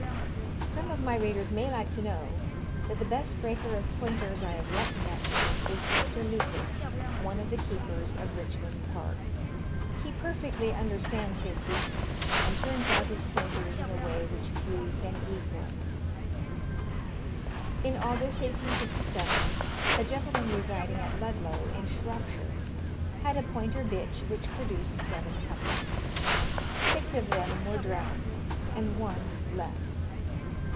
Some of my readers may like to know that the best breaker of pointers I have yet met with is Mr. Lucas, one of the keepers of Richmond Park. He perfectly understands his business, and turns out his pointers in a way which few can equal. In August 1857, a gentleman residing at Ludlow, in Shropshire, had a pointer bitch, which produced seven puppies. Six of them were drowned, and one left.